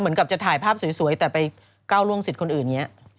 เหมือนกับจะถ่ายภาพสวยแต่ไปก้าวล่วงสิทธิ์คนอื่นอย่างนี้